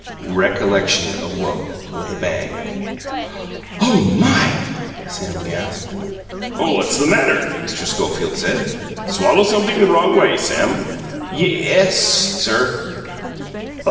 Recollection awoke with a bang! "Oh, my!" Sam gasped. "What's the matter?" Mr. Schofield said. "Swallow something the wrong way, Sam?" "Ye es, sir."